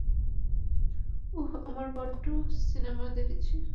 উফ, আমরা বড্ড সিনেমা দেখেছি।